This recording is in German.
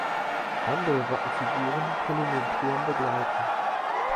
Andere Wappenfiguren können den Turm begleiten.